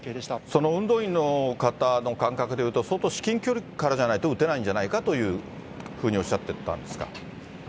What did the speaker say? その運動員の方の感覚でいうと、相当至近距離からじゃないと撃てないんじゃないかというふうにおっしゃってたんですか。